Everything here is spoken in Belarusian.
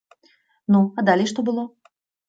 Ну, а далей што было?